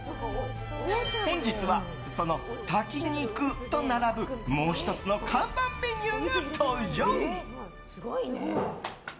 本日は、その炊き肉と並ぶもう１つの看板メニューが登場。